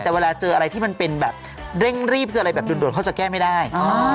แต่เวลาเจออะไรที่มันเป็นแบบเร่งรีบเจออะไรแบบด่วนเขาจะแก้ไม่ได้